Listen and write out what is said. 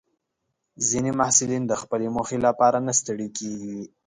ځینې محصلین د خپلې موخې لپاره نه ستړي کېږي.